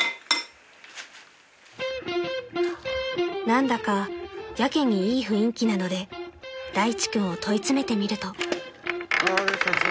［何だかやけにいい雰囲気なので大地君を問い詰めてみると］